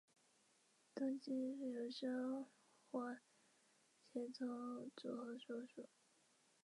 苏联人继续坚持必须在满足一个前提条件后才能签署条约。